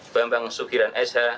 bambang sukiran sh